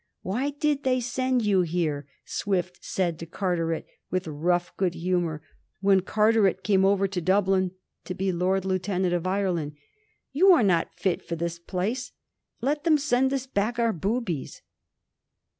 'Why did they send you here?' Swift said to Carteret with rough good humour when Carteret came over to Dublin to be Lord Lieutenant of Ireland. * You are not fit for this place ; let them send us back our boobies.'